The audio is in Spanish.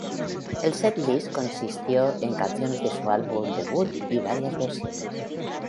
El setlist consistió en canciones de su álbum debut y varias versiones.